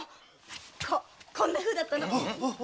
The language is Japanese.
こうこんな風だったの。